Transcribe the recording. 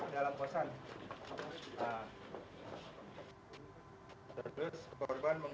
sepuluh dalam kosan